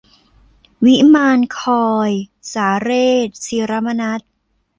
วิมานคอย - สาเรส ศิระมนัส